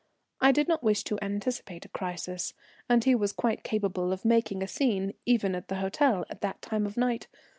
I did not wish to anticipate a crisis, and he was quite capable of making a scene, even at the hotel at that time of night.